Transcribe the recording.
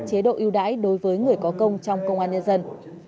chế độ yêu đái đối với người có công trong công an nhân dân